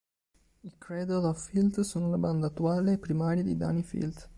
I Cradle of Filth sono la band attuale e primaria di Dani Filth.